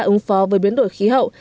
ứng phó với biến đổi khí hậu